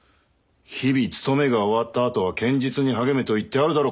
日々勤めが終わったあとは剣術に励めと言ってあるだろう。